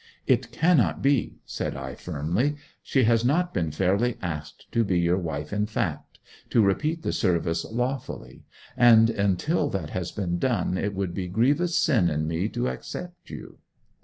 'It cannot be,' said I, firmly. 'She has not been fairly asked to be your wife in fact to repeat the service lawfully; and until that has been done it would be grievous sin in me to accept you.'